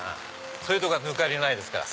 そういうとこ抜かりないですから。